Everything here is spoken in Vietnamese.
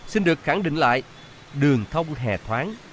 xin được khẳng định lại đường thông hề thoáng